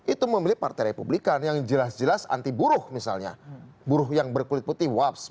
itu memilih partai republikan yang jelas jelas anti buruh misalnya buruh yang berkulit putih waps